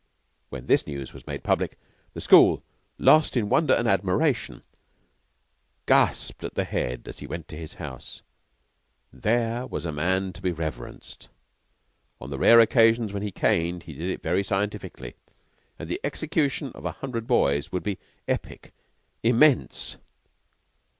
When this news was made public, the school, lost in wonder and admiration, gasped at the Head as he went to his house. Here was a man to be reverenced. On the rare occasions when he caned he did it very scientifically, and the execution of a hundred boys would be epic immense.